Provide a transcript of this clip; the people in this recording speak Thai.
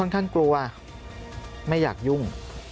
ค่อนข้างกลัวไม่อยากยุ่ง